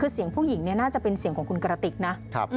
คือเสียงผู้หญิงเนี่ยน่าจะเป็นเสียงของคุณกระติกนะ